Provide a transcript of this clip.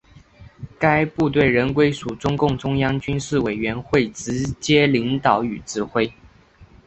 该部队仍归属中共中央军事委员会直接领导与指挥。